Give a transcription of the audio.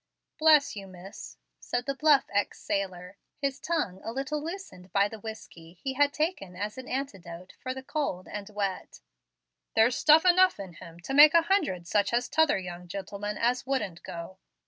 "Bless you, miss," said the bluff ex sailor, his tongue a little loosened by the whiskey he had taken as an antidote for the cold and wet, "there's stuff enough in him to make a hundred such as t'other young gentleman as wouldn't go.